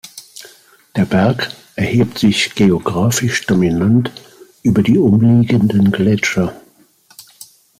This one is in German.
Der Berg erhebt sich geografisch dominant über die umliegenden Gletscher.